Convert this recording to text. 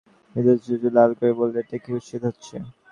বিপ্রদাস মুখ লাল করে বললে, এটা কি উচিত হচ্ছে?